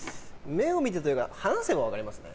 目を見てというか話せば分かりますね。